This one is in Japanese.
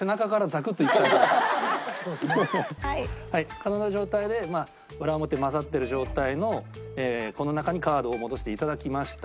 この状態で裏表交ざってる状態のこの中にカードを戻していただきました。